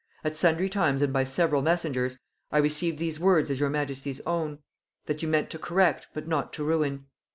At sundry times and by several messengers, I received these words as your majesty's own; that you meant to correct, but not to ruin.